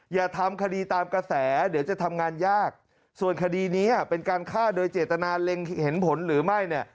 อย่าทำคดีตามกระแสเดี๋ยวจะทำงานยากส่วนคดีนี้เป็นการฆ่าโดยเจตนาเล็งเห็นผลหรือไม่เนี่ย